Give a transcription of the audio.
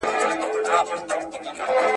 هود سورت په{ا.ل. ر} شروع سوی دی.